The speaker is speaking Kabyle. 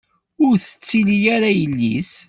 Ur tettil ara yelli-s.